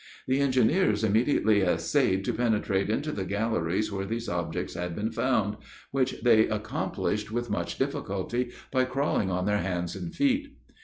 The engineers immediately essayed to penetrate into the galleries where these objects had been found, which they accomplished with much difficulty, by crawling on their hands and feet.